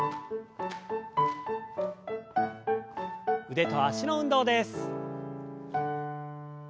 腕と脚の運動です。